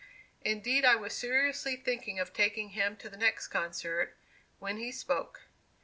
Indeed, I was seriously thinking of taking him to the next concert, when he spoke.